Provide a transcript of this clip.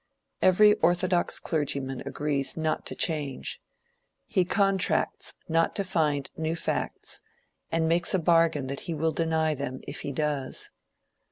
Every orthodox clergyman agrees not to change. He contracts not to find new facts, and makes a bargain that he will deny them if he does.